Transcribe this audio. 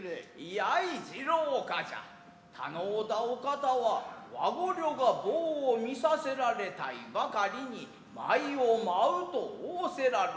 やい次郎冠者頼うだお方は和御寮が棒を見させられたいばかりに舞を舞うと仰せらるる。